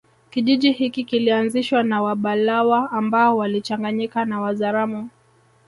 Kijiji hiki kilianzishwa na Wabalawa ambao walichanganyika na Wazaramo